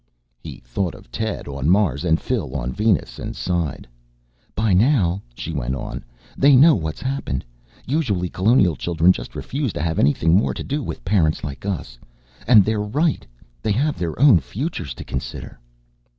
He thought of Ted on Mars and Phil on Venus and sighed. "By now," she went on, "they know what's happened. Usually colonial children just refuse to have anything more to do with parents like us. And they're right they have their own futures to consider."